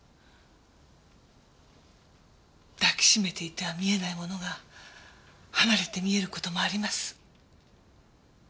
抱きしめていては見えないものが離れて見える事もあります。